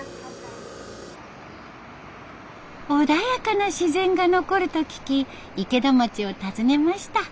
穏やかな自然が残ると聞き池田町を訪ねました。